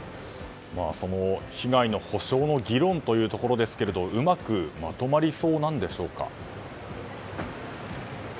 その被害の補償の議論というところですがうまくまとまりそうなんでしょうか。